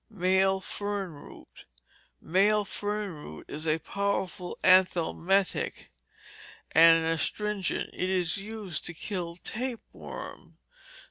Male Fern Root Male Fern Root is a powerful anthelmintic, and an astringent. It is used to kill tapeworm.